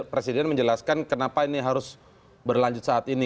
presiden menjelaskan kenapa ini harus berlanjut saat ini